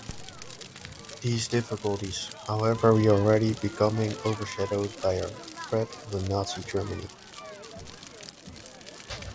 These difficulties, however, were already becoming overshadowed by the threat of Nazi Germany.